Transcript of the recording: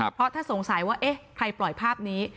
เพราะถ้าสงสัยว่าเอ๊ะใครปล่อยภาพนี้